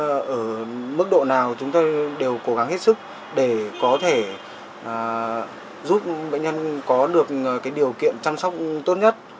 và ở mức độ nào chúng tôi đều cố gắng hết sức để có thể giúp bệnh nhân có được cái điều kiện chăm sóc tốt nhất